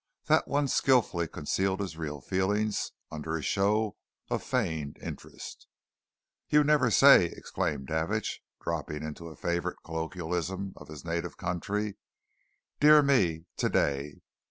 That one skilfully concealed his real feelings under a show of feigned interest. "You never say!" exclaimed Davidge, dropping into a favourite colloquialism of his native county. "Dear me, today!